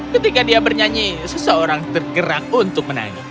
ketika dia bernyanyi seseorang tergerak untuk menang